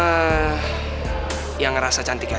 apa yang ngerasa cantik aja